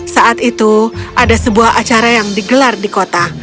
saat itu ada sebuah acara yang digelar di kota